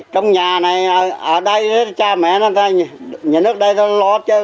trong nhà này ở đây chả mẹ nhà nước đây nó lót chứ